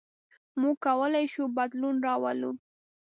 موږ کولی شو بدلون راولو.